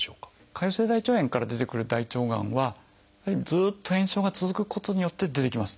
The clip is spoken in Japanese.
潰瘍性大腸炎から出てくる大腸がんはずっと炎症が続くことによって出てきます。